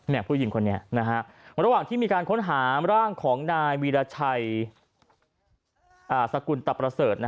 ผู้หญิงคนนี้นะฮะระหว่างที่มีการค้นหาร่างของนายวีรชัยสกุลตะประเสริฐ